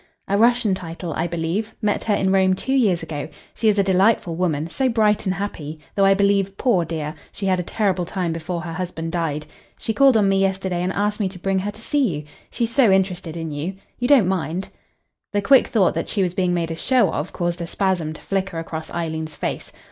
"A Russian title, I believe. Met her in Rome two years ago. She is a delightful woman so bright and happy, though I believe, poor dear, she had a terrible time before her husband died. She called on me yesterday and asked me to bring her to see you. She's so interested in you. You don't mind?" The quick thought that she was being made a show of caused a spasm to flicker across Eileen's face.